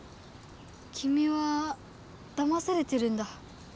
きみはだまされてるんだ。